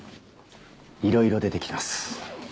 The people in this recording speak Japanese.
いろいろ出てきてます。